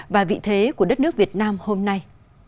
và vị thế của đất nước việt nam hôm nay